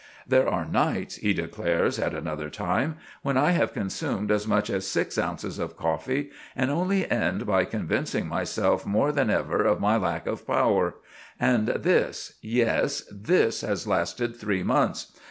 "There are nights," he declares at another time, "when I have consumed as much as six ounces of coffee, and only end by convincing myself more than ever of my lack of power—and this, yes, this has lasted three months.